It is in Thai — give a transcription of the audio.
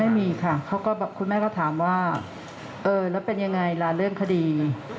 ไม่มีค่ะคุณแม่ก็ถามว่าเออแล้วเป็นยังไงล่ะเรื่องคดี